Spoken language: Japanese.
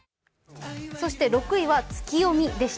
６位は「ツキヨミ」でした。